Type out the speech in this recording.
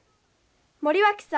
森脇さん